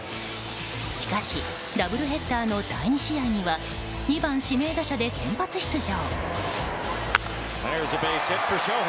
しかし、ダブルヘッダーの第２試合には２番指名打者で先発出場。